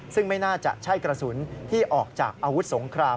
ซึ่งไม่น่าจะใช่กระสุนที่ออกจากอาวุธสงคราม